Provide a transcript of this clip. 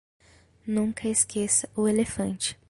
Nunca esqueça o elefante.